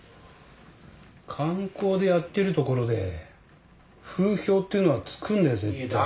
観光でやってる所で風評っていうのはつくんだよ絶対。